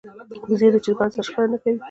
وزې د چرګانو سره شخړه نه کوي